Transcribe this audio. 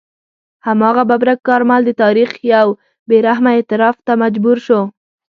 هماغه ببرک کارمل د تاریخ یو بې رحمه اعتراف ته مجبور شو.